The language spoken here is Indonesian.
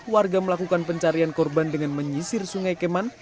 warga melakukan pencarian korban dengan menyisir sungai keman